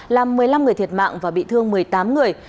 làm một mươi năm người thiệt mạng và bị thương một mươi tám người